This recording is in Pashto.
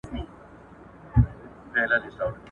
د ارغنداب سیند د اوبو لګولو کانالونو ته اوبه برابروي.